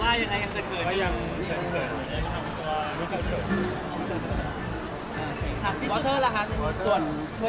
วาวเตอร์ล่ะค่ะส่วนช่วยยังไงบ้างครับพี่ชิน